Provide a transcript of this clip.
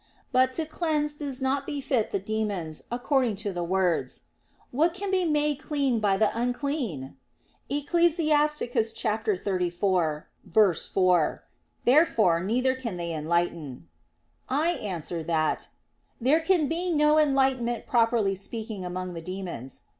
But to cleanse does not befit the demons, according to the words: "What can be made clean by the unclean?" (Ecclus. 34:4). Therefore neither can they enlighten. I answer that, There can be no enlightenment properly speaking among the demons.